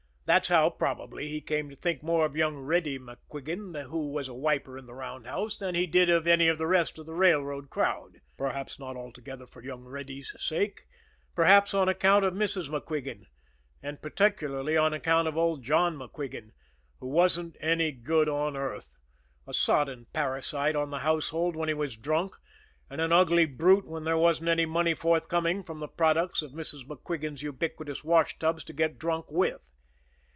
That's how, probably, he came to think more of young Reddy MacQuigan, who was a wiper in the roundhouse, than he did of any of the rest of the railroad crowd. Perhaps not altogether for young Reddy's sake; perhaps on account of Mrs. MacQuigan, and particularly on account of old John MacQuigan who wasn't any good on earth a sodden parasite on the household when he was drunk, and an ugly brute when there wasn't any money forthcoming from the products of Mrs. MacQuigan's ubiquitous washtubs to get drunk with.